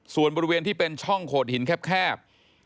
ส่วนบริเวณที่เป็นช่องโขดหินแคบ